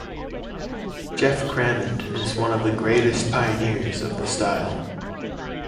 Geoff Crammond is one of the greatest pioneers of the style.